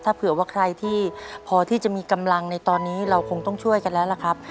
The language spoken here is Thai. ถ้าเผื่อว่าใครที่พอที่จะมีกำลังในตอนนี้เราคงต้องช่วยกันแล้วล่ะครับ